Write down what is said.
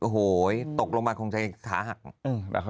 โหยตกลงมาคงจะขาหัก